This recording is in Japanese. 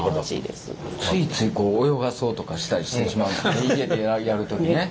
ついついこう泳がそうとかしたりしてしまう家でやる時ね。